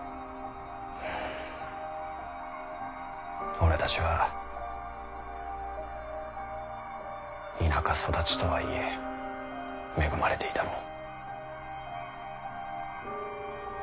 俺たちは田舎育ちとはいえ恵まれていたのう。